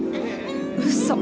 うそ！